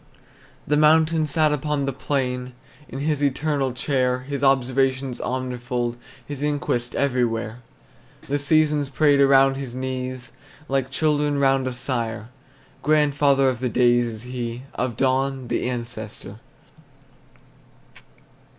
The mountain sat upon the plain In his eternal chair, His observation omnifold, His inquest everywhere. The seasons prayed around his knees, Like children round a sire: Grandfather of the days is he, Of dawn the ancestor.